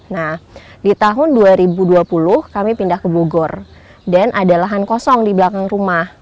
nah di tahun dua ribu dua puluh kami pindah ke bogor dan ada lahan kosong di belakang rumah